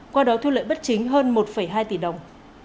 qua đó thu lợi bất chính hơn một hai tỷ đồng